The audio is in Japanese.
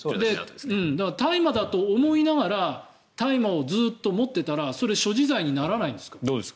大麻だと思いながら大麻をずっと持っていたらそれ、所持罪にならないんですか？